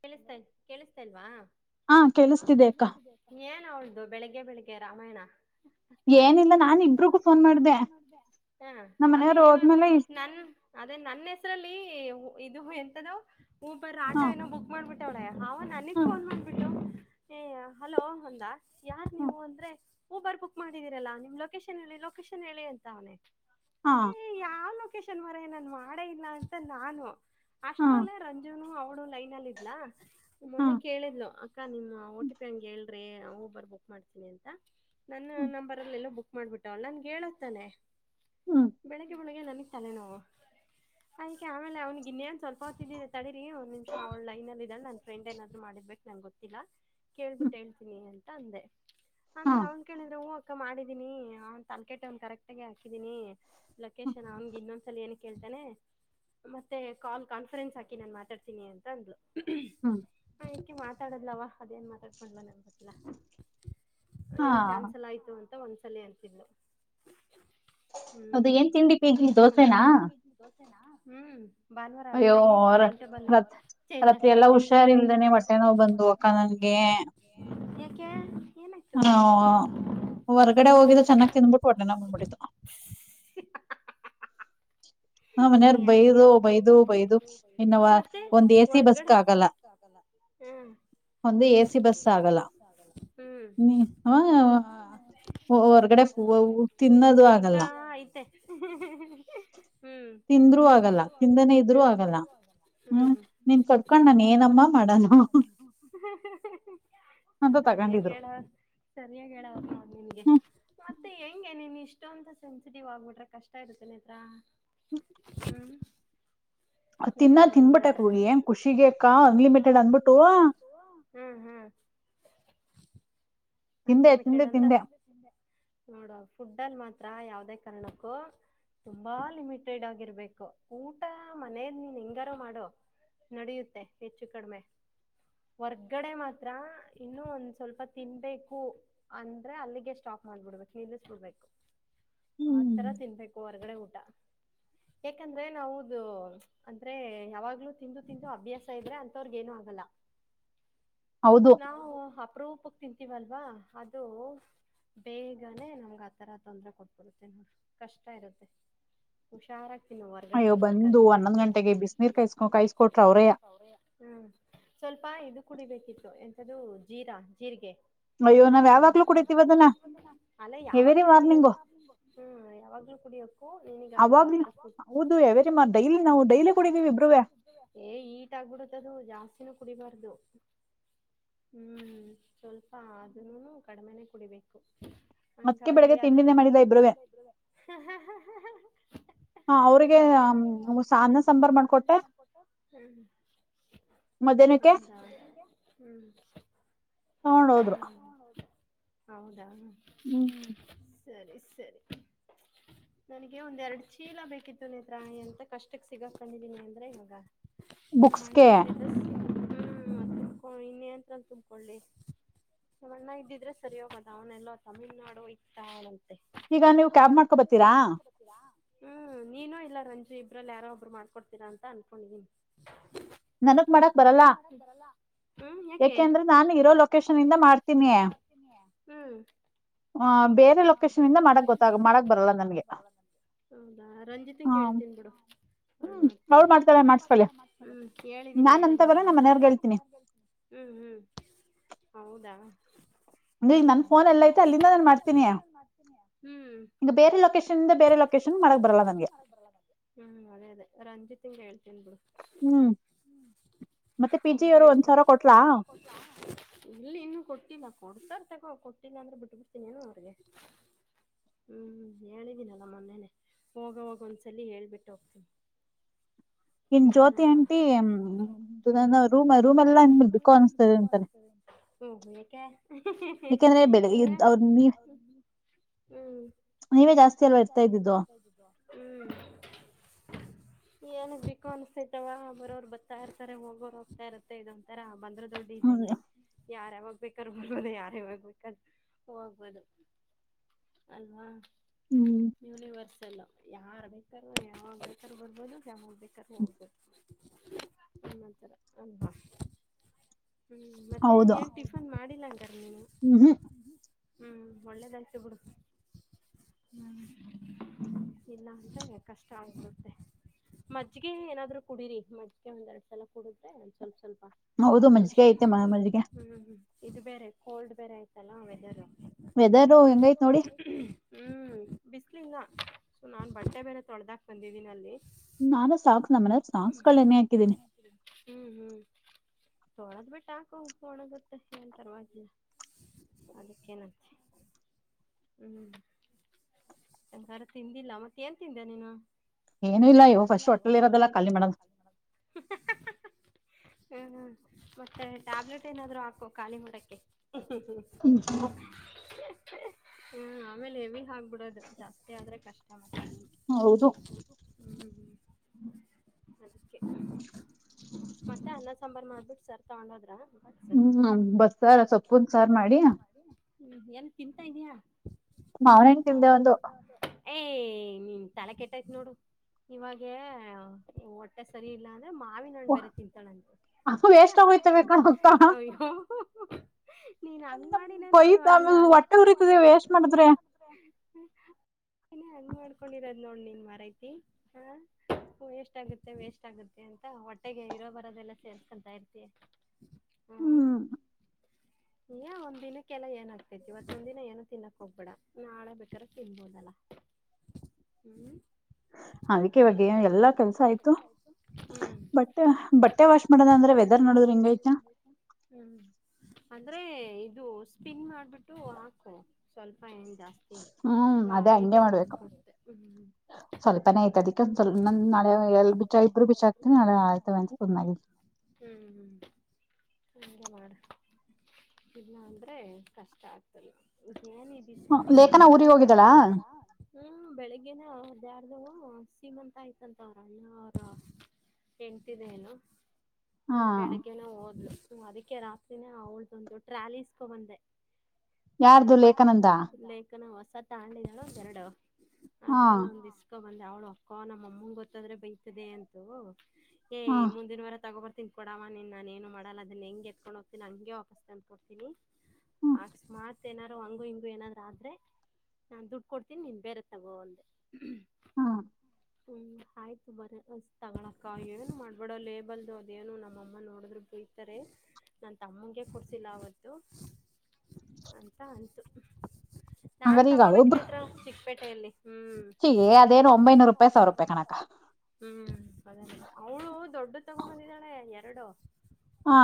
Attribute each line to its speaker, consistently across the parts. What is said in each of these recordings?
Speaker 1: ಕೇಳಿಸ್ತಾ ಕೇಳಿಸ್ತಾಲ್ವಾ
Speaker 2: ಹಾ ಕೇಳಿಸ್ತಿದೆ ಅಕ್ಕ
Speaker 1: ಏನ್ ಅವಳ್ದು ಬೆಳಿಗ್ಗೆ ಬೆಳಿಗ್ಗೆ ರಾಮಾಯಣ
Speaker 2: ಏನ ಇಲ್ಲ
Speaker 1: ಏನಿಲ್ಲ ನ ಹ ಅದೇ ಏನು ನನ್ ಅದೇ ನನ್ನ ಹೆಸರ್
Speaker 2: [inaudible]
Speaker 1: ಇದು ಎಂತದ ಊಬರ್ ಆಟ ಏನೋ ಬುಕ್ ಮಾಡ್ಬಿಟ್ಟ ಅವಳ ಅವ ನನಗ್ ಫೋನ್ ಮಾಡ್ಬಿಟ್ಟು ಏ ಹಲೋ ಅಂದ ಯಾರ್ ನೀವು ಅಂದ್ರೆ ಊಬರ್ ಬುಕ್ ಮಾಡಿದೀರಲ್ಲಾ ನಿಮ ಲೊಕೇಶನ್ ಹೇಳಿ ಲೊಕೇಶನ್ ಹೇಳಿ ಅಂತ ಅವನೆ
Speaker 2: ಹಾ
Speaker 1: ಆ ಲೊಕೇಶನ್ ಮಾರಾಯ ನನ್ ಮಾಡೇ ಇಲ್ಲ ಅಂತ ನಾನು ಅಷ್ಟ್ರಲ್ಲೇ ರಂಜುನು ನೋ ಲೈನ್ ಅಲ್ಲಿ ಇದ್ಲ ಮೊನ್ನೆ ಕೇಳಿದ್ಲು ಅಕ್ಕ ನಿಮ್ಮ ಒ ಟಿ ಪಿ ಹಂಗ
Speaker 2: ಹ
Speaker 1: ಊಬರ್ ಬುಕ್ ಮಾಡ್ತೀನಿ ಅಂತ ನನ್ನ ನಂಬರ್ ಅಲ್ಲ ಎಲ್ಲೋ ಬುಕ್ ಮಾಡ್ಬಿಟ್ಟವಳ ನನ್ಗೆ ಹೇಳ್ತಾನೇ ಬೆಳಿಗ್ ಬೆಳಿಗ್ಗೆ ನನಗ್ ತಲೆ ನೋವು ಆಯ್ಕೆ ಆಮೇಲೆ ಅವನ ಗೆ ಇನ್ನ ಏನೂ ಸ್ವಲ್ಪ ಹೊತ್ತಿದ್ದ ತಲೆ ರಿ ಒಂದ ನಿಮಷ ಅವಳ ಲೈನ್ ಅಲ್ಲಿ ಇದಾಳ ನನ್ ಫ್ರೆಂಡ್ ಏನಾದ್ರು ಮಾಡ್ಬೇಕು ನಂ ಗೊತ್ತಿಲ್ಲ ಕೇಳ್ಬಿಟ್ಟ ಹೇಳ್ತನಿ ಅ ಅಂದೇ ಆಮೇಲೆ ಅವ್ನ್ ಕೇಳಿದ್ರೆ ಹೂ ಮಾಡಿದ್ದೀನಿ ಅವ್ ತಾಕೇಟ್ಟ ಕರೆಕ್ಟ್ ಆಗಿ ಹಾಕಿದೀನಿ ಲೊಕೇಶನ್ ಅವನ್ಗೆ ಇನ್ನೊಂದ್ಲ ಏನ್ ಕೇಳ್ತಾರೆ ಮತ್ತೆ ಕಾಲ್ ಕಾನ್ಫರೆನ್ಸ್ ಹಾಕಿ ನಾನು ಮಾತಾಡ್ತೀನಿ ಅಂತ ಅಂದ್ಲು
Speaker 2: ಹ್ಮ
Speaker 1: ಮಾತಾಡಲ್ಲವ ಅದೇನ್ ಮಾತಾಡ್ಕೊಂಡ್ಲ ನನ್ ಗೊತ್ತಿಲ್ಲ ಏನೋ ಕ್ಯಾನ್ಸಲ್ ಆಯ್ತು ಅಂತ ಒಂದ್ಸಲ ಅಂತಿದ್ಲು
Speaker 2: ಹೌದು ಏನ್ ತಿಂಡಿ ಪೇಗಿ ದೋಸೆನಾ
Speaker 1: ಹ್ಮ್ ಭಾನುವಾರ ಅಲ್ಲ ತಾಯಿ ಟೈಮ್ ಟೇಬಲ್ ಇಂಗತ್ತೈತ್ ಹುಷರು ಇತ್ತರೆ ಯಾಕೆ
Speaker 2: ಹಾ ಹೊರ್ಗಡೆ ಹೋಗಿದ್ದ ಚೆನ್ನಾಗ್ ತಿಿಂದ್ಬಿಟ್ಟು ಹೊಟ್ಟೆ ನೋವು ಬಂದುಬಿಟ್ಟಿತ್ತು ಹ ಮನೆಯವಾರು ಬೈದು ಬೈದು ಬೈದು ಇನ್ನುವ ಒಂದ
Speaker 1: ಹೊರ್ಗಡೆ ಹ್ಮ ಹ್ಮ್ ನಡೀತಾ ಆಐತೆ ಹ್ಮ
Speaker 2: ತಿಂದ್ರೂ ಆಗಲ್ಲ ತಿಂದನೆೇ ಇದ್ರರು ಆಗಲ್ಲ ಹ್ಮ್ ನೀನ್ ಕರ್ಕೊಂಡ್
Speaker 1: ಸರಿಯ ಸರಿಯಾಗಿ ಹೇಳ ನಿನ್ಗೆ ಮತ್ತೆ ಹೆಂಗ ನೀನ್ ಇಷ್ಟೊ ಅಂತ ಸೆನ್ಸಿಟಿವ್ ಆಗ್ಬಿಟ್ರೆ ಕಷ್ಟ ಇರುತ್ತೇನೆ ಹತ್ರ ಹ್ಮ್
Speaker 2: ತಿನ್ನ ತಿನ್ಬಿಟ್ಟಕ್ ಹೋಗಿ
Speaker 1: ಹ್ಮ್ ಹ್ಮ್ ಅನ್ಲಿಮಿಟೆಡ್ ಅಂತ ನೋಡುವ ಫುಡ್ ಲ್ ಮಾತ್ರ ಯಾವದೇ ಕಾರಣಕ್ಕೂ ತುಂಬಾ ಲಿಮಿಟೆಡ್ ಆಗಿರ್ಬೇಕು ಊಟ ಮನೇಲಿ ನೀನ್ ಹೆಿಂಗಾರು ಮಾಡು ನಡೆಯುತ್ತೆ ಹೆಚ್ಚು ಕಡಿಮೆ ಹೊರ್ಗಡೆ ಮಾತ್ರ ಇನ್ನು ಒಂದ್ ಸ್ವಲ್ಪ ತಿನ್ಬೇಕು ಅಂದ್ರೆ ಅಲ್ಲಿಗೆ ಸ್ಟಾಕ್ ಮಾಡಬಿಡ್ಬೇಕ ನಿಲ್ಲಿಸಬಿಡ್ಬೇಕು ಆ ತರ ತಿನ್ಬೇಕು ಹೊಗಡೆ ಊಟ ಯಾಕಂದ್ರೆ ನಾದು ಅಂದ್ರೆ ಯಾವಾಗ್ಲೂ ತಿಂದು ಅಭ್ಯಾಸ ಇದ್ರೆ ಅಂತವ್ರಗ ಏನು ಆಗಲ್ಲ ನಾವು ಅಪರೂಪ ತಿಂತೀವಲ್ವಾ ಅದು ಬೇಗನೆ ನಮ್ಗೆ ಆತರ ತೊಂದ್ರೆ ಕೊಟ್ಬಿಡತ್ತೆ ನೋಡ ಕಷ್ಟ ಇರುತ್ತೆ ಹುಷಾರ
Speaker 2: ಅಯ್ಯೋ ಬಂದು ಒನ್ನೊ್ ಗಂಟೆಗೆ ಬಿಸ ನೀೀರ್ ಕಾಯಸ್ಕೋ ಕಾಯಸ್ಕೊಟ್ಟು
Speaker 1: ಹ್ಮ್ ಸ್ವಲ್ಪ ಇದು ಕುಡಿಬೇಕಿತ್ತು ಎಂತ್ದೂ ಜೀರಾ ಜೀರಿಗೆ ಅ ಅಲ್ಲ ಯಾವಾಗ್ಲೂ ಕುಡಿಯೋದು ಹ್ಮ ಯಾವಾಗ್ಲೂ ಕುಡಿಯಕು ನಿನಗ ಅದು ಆತರ ಏ ಈಟ್ ಆಗ್ಬಿಡತ್ತದು ಜಾಸ್ತಿನೂ ಕುಡಿಬಾರ್ದು ಹ್ಮ್ ಸ್ವಲ್ಪ ಅದನ್ನೂ ಕಡಿಮೆನೇ ಕುಡಿಬೇಕು ಹಂಗಾಗಿ ಅದನ್ನು
Speaker 2: ಹಾ ಅವ್ರಿಗೆ ಅನ್ನ ಸಾಂಬಾರ್ ಮಾಡ್ಕೊಟ್ಟೆ
Speaker 1: ಹ್ಮ್ ಹೌದೌದು ಹ್ಮ್
Speaker 2: ತಗೊಂಡ್ ಹೋದ್ರು
Speaker 1: ಹೌದಾ
Speaker 2: ಹ್ಮ್
Speaker 1: ಸರಿ ಸರಿ ನನಗೆ ಒಂದ್ ಎರಡ್ ಚೀಲ ಬೇಕಿತ್ತು ನೇತ್ರಾಯಿ ಅಂತ ಕಷ್ಟಕ್ ಸಿಗಾಕ್ಕಂದೀನಿ ಅಂದ್ರೆ ನಮ್ಮ ಅಣ್ಣ ಇದ್ದ ಮನಂತ್ರ ತುಂಬಕೊಳ್ಳಳ್ಳಿ ನಮ್ಮಣ್ಣ ಇದ್ದಿದ್ರೆ ಸರಿ ಹೋಗದ ಅವನೆಲ್ಲ ತಮಿಳ್ನಾಾಡು ಇತ್ತ ಅವಂತ
Speaker 2: ಈಗ ನೀವು ಕ್ಯಾಬ್ ಮಾಡ್ಕೊ ಬರ್ತೀರಾ
Speaker 1: ಹ್ಮ್ ನೀನುೂ ಇಲ್ಲ ರಂಜಿ ಇಬ್ರಲ್ಲಿ ಯಾರೋ ಒಬ್ರು ಮಾಡ್ಕೊಡ್ತೀರಾ ಅಂತ ಅನ್ಕೊಂಡಿದೀನಿ
Speaker 2: ನನಗ್ ಮಾಡಕ್ ಬರಲ್ಲ
Speaker 1: ಹ್ಮ್ ಯಾಕೆ ಯಾಕೆ ಅಂದ್ರೆ ನಾನು ಇರೋ ಲೊಕೇಶನ್ಂದ ಮಾಡ್ತೀನಿ ಹ್ಮ್
Speaker 2: ಹ ಬೇರೆ ಲೊಕೇಶನ್ ಇಂದ ಮಾಡಕ್ ಗೊತ್ತಾಗ ಮಾಡಕ್ ಬರಲ್ಲ ನನ್ಗೆ
Speaker 1: ಹೌದಾ ರಂಜಿತ್ನ್ ಹೇಳ್ತೀನ್ ಬಿಡು ಅವಳು ಮಾಡ್ತಾಳೆ
Speaker 2: ಮಾಡಸ್ಕೊಳ್ಳ
Speaker 1: ಹೇಳಿದ್ದೀನಿ ಹೇಳಗೆ ನ ಹ್ಮ್ ಹ್ಮ್ ಹೌದಾ ಹ್ಮ್ಮ ಹ್ಮ್ ಅದೇ ಅದೇ ರಂಜಿತ್ ನ್ ಬಿಡು ಹ ಕೇಳ್ತೀನಿ ಇಲ್ಲಿ ಇನ್ನುೂ ಕೊಟ್ಟಿಲ್ಲ ಕೊಡ್ತಾರ ಗೋ ಕೊಟ್ಟಿಲ್ಲ ಅಂದ್ರೆ ಬಿಟ್ಟ ಬಿಡ್ತೀನಿ ನು ಅವ್ರಿಗೆ ಹ್ಮ್ ಹೇಳಿದೀನಲ್ಲ ಮೊನ್ನೆನೆ ಹೋಗವಾಗ ಒಂದ್ಸಲ ಹೇಳ್ಬಿಟ್ಟು ಹೋಗ್ತೀವಿ
Speaker 2: ಇನ್ ಜ್ಯೋತಿ ಆಂಟಿ ನನ್ನ ರೂಮ್ ರೂಮ್ ಎಲ್ಲ ನಿ ಮೇಲ್ ಬಿಕೋ ಅನಿಸಸ್ತದೆ ಅಂತಾನೆ
Speaker 1: ಹಾ ಹಾ ಹಾ ಹ್ಮ್ ಹ್ಮ್ ಏನ ಬಿಕು ಅನ್ಸ್ತತವ ಬರೋರು ಬರ್ತಾ ಇರ್ತಾರೆ ಹೋಗೋರು ಹೋಗ್ತಾ ಇರತ್ತೆ ಇದೊಂತಾರ ಬಂದ್ರದ ದೊಡ್ಡ ಇದಂಗೆ ಯಾರ ಯಾವಾಗ್ಬೇಕಾರ ಬರ್ಬೋದು ಯಾರೇವಾಗ್ಬೇಕ್ರ ಹೋಗ್ಬೋದು ಅಲ್ವಾ ಯೂನಿವರ್ಸ್ಲ ಯಾರು ಬೇಕಾರ ಯಾವ ಬೇಕಾರ ಬರ್ಬೋದು ಹೋಗ್ಬೇಕೂ ಹೋಗ್ಬೇಕು ನಿಮ್ಮಂತರ ಅಲ್ವಾ ಹ್ಮ್ ಮತ್ತೆ ಏನ್ ಟಿಫನ್ ಮಾಡಿಲ್ಲಂಗರ ನೀನು ಹ್ಮ್ ಒಳ್ಳೇದಾಯತು ಬಿಡು ಹ್ಮ ಇಲ್ಲ ಅಂದ್ರೆ ಕಷ್ಟ ಆಗ್ಬಿಡತ್ತೆ ಮಜ್ಜಿಗೆ ಏನಾದ್ರು ಕುಡಡಿರಿ ಮಜ್ಜಗೆ ಒಂದ ಎರಡ್ ಸಲ ಕುಡುದ್ರೆ ಒಂದ ಸ್ವಲ್ಪ ಸ್ವಲ್ಪ ಹ್ಮ್ಮ ಇದು ಬೇರೆ ಕೋಲ್ಡ್ ಬೇರೆ ಆಯ್ತಲ್ಲಾ ವೆದರ್
Speaker 2: ವೆದರ್ ಹೆಂಗೈತ್ ನೋಡಿ
Speaker 1: ಸೊ ನಾನ್ ಬಟ್ಟೆ ಬೇನೆ ತೊಳ್ದಾಕ್ ಬಂದಿದ್ದೀನ ಅಲ್ಲಿ
Speaker 2: ನಾನು ಸಾಕ್ಸ್ ನಮ್ಮನ ಸಾಕ್ಸ್ಗಳು ಎನೆ ಹಾಕಿದ್ದೀನಿ
Speaker 1: ತೋಳದ್ ಬಿಟ್ಟ ಹಾಕಕೋಳ ಗೊತ್ತೆ ಎ ಪರ್ವಾಗಿಲ್ಲ ಅದಕ್ಕೆ ನಂತೆ ಹ್ಮ್ ಸಂಕಾರ ತಿಂದಿಲ್ಲ ಮತ್ತೆ ಏನ್ ತಿಂದೆ ನೀನು ಹನ ಇಲ್ಲ ಯೋಗಸ ಅಲ್ಲಾಲ ಮ ಹ್ಮ್ ಹ್ಮ್ ಮತ್ತೆ ಟ್ಯಾಬ್ಲೆಟ್ ಏನಾದ್ರು ಹಾಕು ಖಾಲಿ ಮೂಡಕ್ಕೆ ಹ ಹ್ಮ್ ಆಮೇಲೆ ಎವಿ ಹಾಕ್ಬಿಡೋದು ಜಾಸ್ತಿ ಆದ್ರೆ ಕಷ್ಟ
Speaker 2: ಹೌದು
Speaker 1: ಮತ್ತೆ ಅನ್ನ ಸಾಂಬಾರ್ ಮಾಡ್ಬಿಟ್ಟು ಸರ್ ತಗೊಂಡೋದ್ರ
Speaker 2: ಹ್ಮ್ ಬಸ್ ಸಾರ್ ಸೊಪ್ಪುನ್ ಸಾರ್ ಮಾಡಿ
Speaker 1: [unintelligible]
Speaker 2: ಮಾವಿನ ಹಣ್ಣು ತಿಂದ್ದೆ ಒಂದು
Speaker 1: ಏಯ ನಿನ್ ತಲೆ ಕೆಟ್ಟೈತ್ ನೋಡು ಇವಾಗ ಹೊಟ್ಟೆ ಸರಿ ಇಲ್ಲ ಅ್ರ ಮಾವಿನ ಹಣ್ಣು ಬೇರೆ ತಿಂತಳಂತೆ ಅಯ್ಯೋ ನೀನ್ ಹಂಗ ಮಾಡಿನ ನೋಡು ಹಂಗ ಅಲ್ಲಿ
Speaker 2: [inaudible]
Speaker 1: ಹೆಂಗನ್ ಮಾಡ್ಕೊಂಡಿರೋದ್ ನೋಡ್ ನೀನ್ ಮರೈತಿ
Speaker 2: [inaudible]
Speaker 1: ಹ ವೆಷ್ಟಾಗುತ್ತೆ ವೇಸ್ಟಾಗುತ್ತೆ ಅಂತ ಹೊಟ್ಟೆಗೆ ಇರೋ ಬರೋದೆಲ್ಲ ಸೇರ್ಸ್ಕೊಳ್ತಾ ಇರ್ತ ಯ ಒಂದ ದಿನಕ್ಕೆಲ್ಲ ಏನ್ ಆಡ್ತೈತಿವತ್ತೊಂದ್ ದಿನ ಏನ ತಿನ್ನಕ್ ಒ ಬಡ ನಾಳೆ ಬಟಾರ ತಿನ್ಬೋದಲ್ಲ ಹ್ಮ್
Speaker 2: ಹಾ [unintelligible]
Speaker 1: ವ ಎಲ್ಲಾ ಕೆಲ್ಸ ಆಯ್ತು ಬಟ್ಟೆ ವಂದ್ರೆ ಹ್ಮ್ ಅಂದ್ರೆ ಇದು ಸ್ಪಿನ್ ಮಾಡ್ಬಿಟ್ಟು ಸ್ವಲ್ಪ ಹೆಣ್ಣ ಜಾಸ್ತಿ ಗಾಳಿಗೆ ಒಣಕುತ್ತೆ ಹ್ಮ್
Speaker 2: ಪಪ್ಪನ ಐತ ಅದಿಕ ನಾಳೆ ಎ ಐಬ್ಬರು ಬ ಆಾ ನಾಳೆ ಆಯ ತಾಗಿ
Speaker 1: ಹ್ಮ್ ಹ್ಮ್ ಅಂದ್ರೆ ಮಾಡ ಇಲ್ಲ ಅಂದ್ರೆ ಕಷ್ಟ ಆಗ್ತಲ್ಲ ಏನ ಬ್ ಬಿಸ್ ಬರ ಹ ಹ್ಮ್ ಬೆಳಿಗ್ಗೆನ ಅದು ಸೀಮಂತ ಆಯ್ತಂತ ಅವ್ರಣ್ಣ ಅವ್ರ ಹೆತಿದೆ ಏನು ನಾಳ ಬೆಳಿಗ್ಗೆನ ಹೋದ್ಲು ಅದಕ್ಕೆ ರಾತ್ರಿನೇ ಅವಳ್ದುಂಟು ಟ್ರ್ಯಾಲೀಸ್ಕೊ ಬಂದೆ ಬ ಲೇಖನ ಹೊಸ ತ ಆದಾಳ ಒ ಎರಡು ಅದ್ರಲ್ಲ ಒಂದ್ ಇಸ್ಕ ಬಂದ ಅವ್ಳು ಅಕ್ಕ ನಮ್ಮ ಅಮ್ಮನ್ ಗೊತ್ತಾದ್ರೆ ಬೈತದೆ ಅಂತೂ ಏಯ್ ಮುಂದಿನ ವಾರ ತಗೋಬರ್ತಿ ತಿಂದದ್ಕೊಡವ ನೀನು ನಾನನು ಮಾಡಲ್ಲದನ್ನ ಹ ಹೆಂ ಎಕೊಂಡ ಹೋಗ್ತನಿ ಹಗೆ ವಾಪಸ್ ತಂದುಕೊಡ್ತನಿ ಆಕಮಾತ್ ಏನಾದಾರರು ಹಂಗು ಹಿಂಗು ಏನಾದ್ರು ಆದ್ರೆ ನಾನ್ ದುಡ್ಡು ಕೊಡ್ತೀನಿ ನೀನ್ ಬೇರೆ ತಗೋಂದು ಹ್ಮ್ ಆಯ್ತು ಬರ ತಗಳಕ ಏನು ಮಾಡ್ಬೇಡ ಲೇಬಲ್ದು ಅದೇನು ನಮ್ಮಮ್ಮ ನೋಡಿದ್ ಬಯತಾರೆ ನನ್ನ ತಮ್ಮಗೆ ಕೊಡ್ಸಿಲ್ಲ ಆವತ್ತು ಅಂತ ಉಂತು ನಾನ್ ತಗೋಬೇಕು ಮಾತ್ರ ಚಿಕ್ಕಪೇಟೆಯಲ್ಲಿ
Speaker 2: ಹೀಗ ಅದೇನು ಒಂಬೈನೂರು ರಪಾಯಿಾವಿರ ರೂಪಾಯಿ ಕನಕ
Speaker 1: ಹ್ಮ್ ಅದೇ ಅವಳು ದೊಡ್ಡ ತಗೊ ಬಂದಿದ್ದಾಳೆ ಎರಡು
Speaker 2: ಹಾ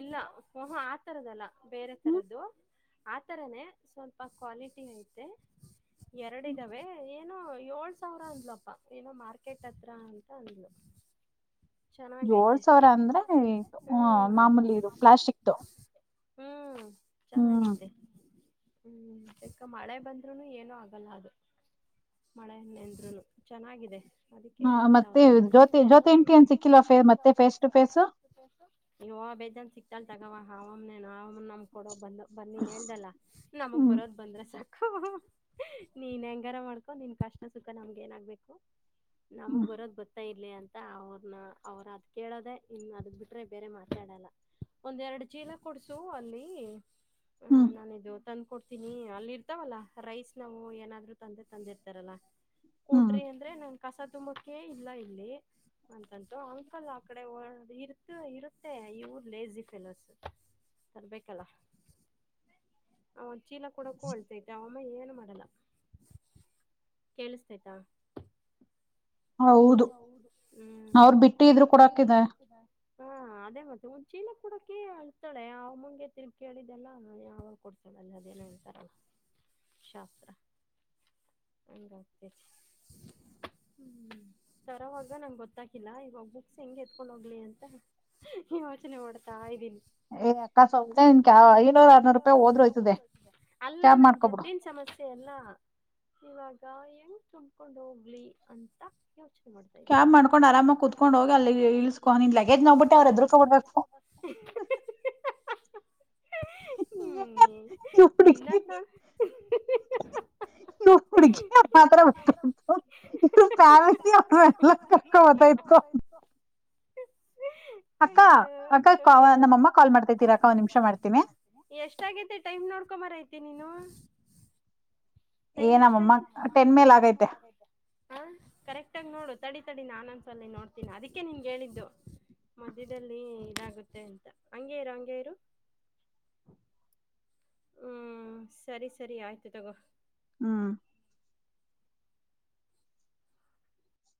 Speaker 1: ಎಲ್ಲ ಮಹ ಆತರದಲ್ಲ ಬೇರೆ ತರದ್ದು ಆತರನೇ ಸ್ವಲ್ಪ ಕ್ವಾಲಿಟಿ ಐತೆ ಎರಡ ಇರ್ತವೆ ಏನೋ ಏಳ್ ಸಾವಿರ ಅಂದ್ಲಪ್ಪ ಏನೋ ಮಾರ್ಕೆಟ್ ಹತ್ರ ಅಂತ ಅಂದ್ಲು
Speaker 2: ಏಳ್ ಸಾವಿರ ಅಂದ್ರೆ ಇ ಹ ಮಾಮೂಲಿ ಇದು ಪ್ಲಾಸ್ಟಿಕ್ದು
Speaker 1: ಹ್ಮ್ ಚೆನ್ನಾಗೈತೆ ಹ್ಮ್ ಚಕ್ಕ ಮಳೆ ಬಂದ್ರುನು ಏನು ಆಗಲ್ಲ ಅದು ಮಳೆ ಎಣ್ಣೆಂದರುಲು ಚೆನ್ನಾಗಿದೆ ಅದಕ್ಕೆ ಯೋಲಸಾವೀರ ಸಾವಿರ ಬೇಜನ್ ಸಿಕ್ತಾಲ್ ತಗವ ಅವಮ್ಮ್ನೇನ್ ಅವಮ್ಮ ನಮ್ ಕೊಡೋ ಬಂದ ಬಂದ ನೀನ್ ಹೇಳ್ದಲ್ಲ ನಮಗ್ ಬರೋದ ಬಂದ್ರೆ ಸಕ್ ನೀನ್ ಹೆಂಗಾರ ಮಾಡ್ಕೊ ನಿನ್ ಕಷ್ಟ ಸುಖ ನಮ್ಗೆ ಏನಾಗ್ಬೇಕು ನಮಗ್ ಬರೋದ ಬರ್ತ್ತಾ ಇಲ್ಲಿ ಅಂತ ಅವ್ರನ್ನ ಅವರು ಅದ್ ಕೇಳದೆೇ ಇನ್ನು ಅದ ಬಿಟ್ರೆ ಬೇರೆ ಮಾತಾಡಲ್ಲ ಒಂದ್ ಎರಡು ಚೀಲ ಕೊಡ್ಸು ಅಲ್ಲಿ ಹ ನನ್ ಇದು ತಂದ್ಕ ಕೊಡ್ತೀನಿ ಅಲ್ಲಿ ಇರ್ತಾವಲ್ಲ ರೈಸ್ ನಾವು ಏನಾದ್ರು ತಂದೆ ತಂದೆ ಇರ್ತಾರಲ್ಲಾ ಕೊಡ್ರಿ ಅಂದ್ರೆ ನಮ ಕಸ ತುಂಬಕೇ ಇಲ್ಲ ಇಲ್ಲಿ ಅಂತಂತು ಅಂಕಲ್ ಆ ಕಡೆ ಇರ್ತ ಇರುತ್ತೆ ಇ ಲೇಸಿ ಫೋಸ್ ತರ್ಬೇಕಲ್ಲ ಚೀಲ ಕೊಡಕೂ ಹೊಳ್ಸೈತೆ ಅವಮ್ಮ ಏನು ಮಾಡಲ್ಲ ಕೇಳಿಸ್ತೇತ [inaudible] ಹ್ಮ ಬಿ ಹ ಅದೇ ಮತ್ತೆ [inaudible] ಚೀನ ಕುಡೋಕಿ ಅಳ್ತಾಳೆ ಅವಮ್ಮನ ತಿರ್ಗೇಳಿದ್ದಲ್ಲ ನ ಯಾವಾಗ ಕೊಡ್ತಾಳ ಅಲ್ಲಿ ಅದೇನು ಹೇಳ್ತಾರಲ್ಲ ಶಾಸ್ತ್ರ ಹ್ಮ ತರವಾಗ ನಂಗೆ ಗೊತ್ತಾಗಿಲ್ಲ ಇವಾಗ ಬುಕ್ಸ್ ಹೆಂಗಗೆ ಎತ್ಕೊಂಡ್ ಹೋಗ್ಲಿ ಅಂತ ಯೋಚನೆ ಮಾಡಡ್ತಾ ಇದೀನಿ ಅಲ್ಲ ನನ್ ದುಡ್ಡಿನ ಸಮ ವಸೆ ಎಲ್ಲ [inaudible]
Speaker 2: [inaudible]
Speaker 1: ಗ ಹೆಂಗ್ ತುಂಬಕೊಂಡ್ ಹೋಗ್ಲಿ ಅಂತ ಯೋಚನೆ ಅಷ್ಟ ಕ್ ಮಾಡ್ಕೊಂಡು ಆರಾಮ ಕುತ್ಕೊಂಡು ಹೋಗ
Speaker 2: [unintelligible]
Speaker 1: ಹ್ಮ್ ನಿನ್ನಂತ [inaudible]
Speaker 2: ಹುಡುಗಿಯ ಮಾತ್ರ ಬ ಇ ಪ್ಯ [inaudible] ತ್ರ ಎಲ್ಲಕ್ಕ ಮಾತ ಇತ್ತು [inaudible] [unintelligible] ಅಕ್ಕ ಅಕ್ಕ ಕ ನಮ್ಮಮ್ಮ ಕಾಲ್ ಮಾಡ್ತಾದ್ದೀರಾ ಅಕ್ಕ ಒಂದ್ ನಿಮಿಷ ಮಾಡ್ತೀನಿ
Speaker 1: ಮರ ಐತಿ ನೀನು ಟೈಮ್ ಎಷ್ಟಾಯ್ತೇ ಆ ಹ ಎಟ್ಟಗ್ ನೋಡು ತಡಿ ತಡಿ ನಾನಂದಸಲ ನೋಡ್ತೀನಿ ಅದಕ್ಕೆ ನಿನ್ಗೆ ಹೇಳಿದ್ದು ಮಧ್ಯದಲ್ಲಿ ಇದಾಗುತ್ತೆ ಎಂತ ಹಂಗೇರು ಹಂಗೇರು
Speaker 2: [unintelligible]
Speaker 1: ಹ್ಮ್ ಸರಿ ಸರಿ ಆಯ್ತು ತಗೋ
Speaker 2: ಹ್ಮ